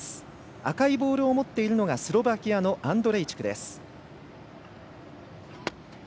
赤いボールを持っているのがスロバキアのアンドレイチク。